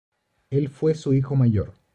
Él fue su hijo mayor.